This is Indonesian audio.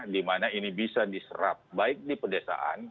dimana ini bisa diserap baik di pedesaan